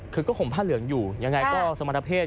คือก็ห่มผ้าเหลืองอยู่ยังไงก็สมรรถเศษ